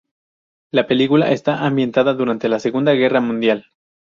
La película está ambientada durante la Segunda Guerra Mundial.